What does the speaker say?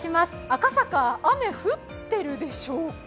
赤坂、雨、降っているでしょうか？